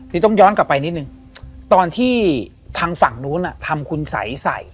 นี่ต้องย้อนกลับไปนิดนึงตอนที่ทางฝั่งนู้นทำคุณสัยใส่